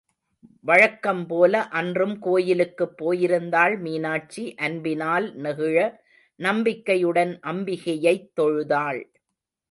வழக்கம் போல, அன்றும் கோயிலுக்குப் போயிருந்தாள் மீனாட்சி, அன்பினால் நெகிழ, நம்பிக்கையுடன் அம்பிகையைத் தொழுதாள்.